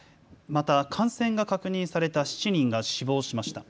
また感染が確認された７人が死亡しました。